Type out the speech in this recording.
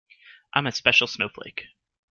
I'm a special snowflake